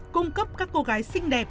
cung cấp các cô gái xinh đẹp